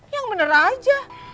yang bener aja